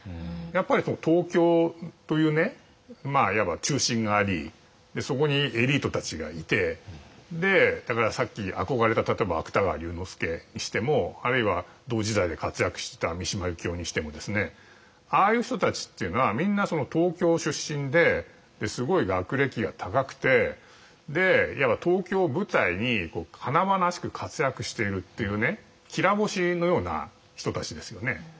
やっぱり東京というねいわば中心がありそこにエリートたちがいてでだからさっき憧れた例えば芥川龍之介にしてもあるいは同時代で活躍した三島由紀夫にしてもですねああいう人たちっていうのはみんな東京出身ですごい学歴が高くていわば東京を舞台に華々しく活躍しているっていうねきら星のような人たちですよね。